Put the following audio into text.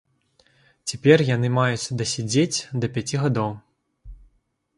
Цяпер яны маюць даседзець да пяці гадоў.